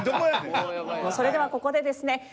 それではここでですね